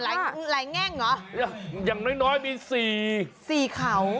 หลายแง่งเหรออย่างน้อยมีสี่สี่เขา